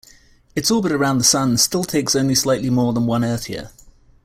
Its orbit around the Sun still takes only slightly more than one Earth year.